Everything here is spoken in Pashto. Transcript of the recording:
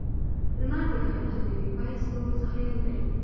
لمر د کائناتو د بې پایه ستورو څخه یو دی.